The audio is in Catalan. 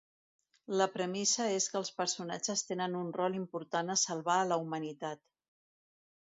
La premissa és que els personatges tenen un rol important a salvar a la humanitat.